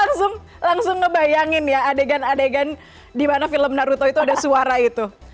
langsung langsung ngebayangin ya adegan adegan di mana film naruto itu ada suara itu